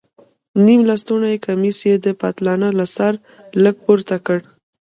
نيم لستوڼى کميس يې د پتلانه له سره لږ پورته کړ.